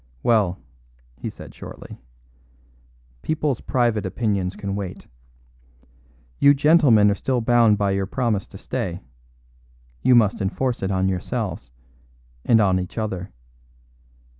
"Well," he said shortly, "people's private opinions can wait. You gentlemen are still bound by your promise to stay; you must enforce it on yourselves and on each other.